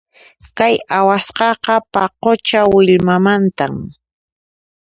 Kay awasqaqa paqucha millwamantam.